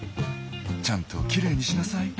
「ちゃんときれいにしなさい」。